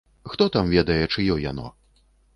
Хто там ведае, чыё яно?